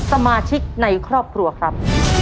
สมาชิกในครอบครัวครับ